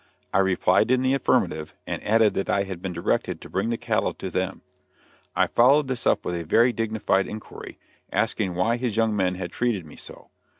I replied in the affirmative, and added that I had been directed to bring the cattle to them. I followed this up with a very dignified inquiry, asking why his young men had treated me so.